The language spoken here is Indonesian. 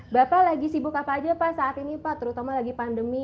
bapak lagi sibuk apa aja pak saat ini pak terutama lagi pandemi